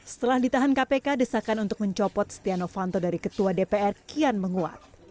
setelah ditahan kpk desakan untuk mencopot setia novanto dari ketua dpr kian menguat